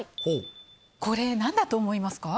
これ、なんだと思いますか？